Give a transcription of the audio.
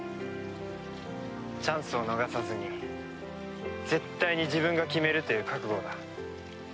チャンスを逃さずに絶対に自分が決めるという覚悟だ。